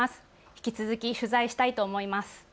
引き続き取材したいと思います。